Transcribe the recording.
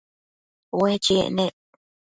Ue chiec nec